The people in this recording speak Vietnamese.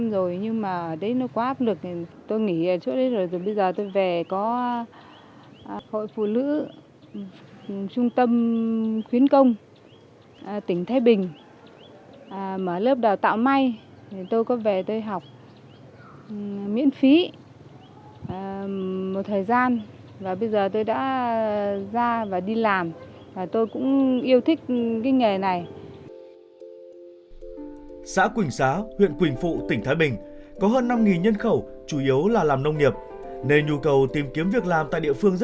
được sự quan tâm của xã và trung tâm khuyến công thái bình đào tạo và mở lớp học may công nghiệp cho các lao động có độ tuổi từ một mươi năm đến bốn mươi năm tuổi trên địa bàn xã